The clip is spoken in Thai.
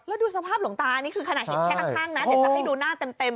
แล้วดูสภาพหลวงตานี่คือขนาดเห็นแค่ข้างนะเดี๋ยวจะให้ดูหน้าเต็ม